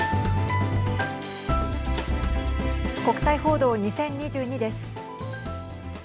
国際報道２０２２です。